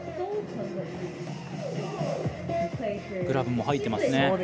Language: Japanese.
グラブも入っていますね。